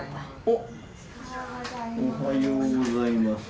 おはようございます。